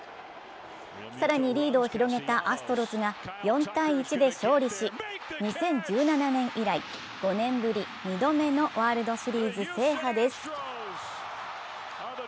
更に、リードを広げたアストロズが４−１で勝利し、２０１７年以来、５年ぶり２度目のワールドシリーズ制覇です。